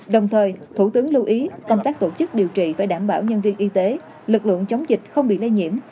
đồng thời thủ tướng lưu ý công tác tổ chức điều trị phải đảm bảo nhân viên y tế lực lượng chống dịch không bị lây nhiễm